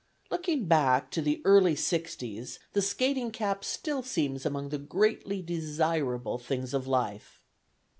Looking back to the early Sixties, the skating cap still seems among the greatly desirable things of life.